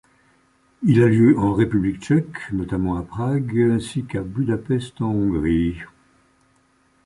Il a lieu en République tchèque, notamment à Prague, ainsi qu'à Budapest en Hongrie.